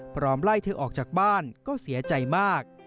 พร้อมไล่เธอออกจากบ้านก็เสียใจมาก